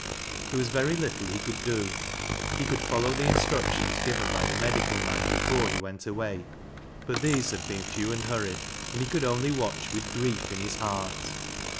There was very little he could do. He could follow the instruc tions given by the medical man before he went away, but these had been few and hurried, and he could only watch with grief in his heart.